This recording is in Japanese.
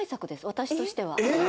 私としては。えっ！？